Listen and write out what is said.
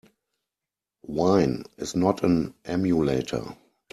Wine is not an emulator.